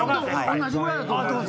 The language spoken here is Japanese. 同じぐらいやと思います。